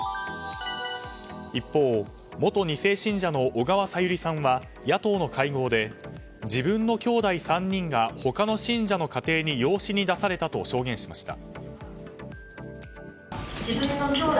一方、元２世信者の小川さゆりさんは野党の会合で自分のきょうだい３人が他の信者の家庭に養子に出されたと証言しました。